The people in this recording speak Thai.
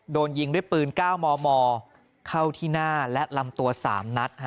โดนยิงด้วยปืน๙มมเข้าที่หน้าและลำตัว๓นัด